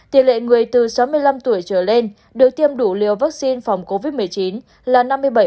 tỷ lệ người từ sáu mươi năm tuổi trở lên được tiêm đủ liều vaccine phòng covid một mươi chín là năm mươi bảy